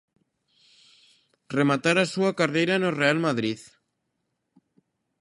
Rematar a súa carreira no Real Madrid.